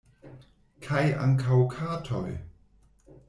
Kaj ankaŭ katoj?